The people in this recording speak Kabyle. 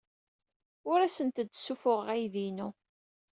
Ur asent-d-ssuffuɣeɣ aydi-inu.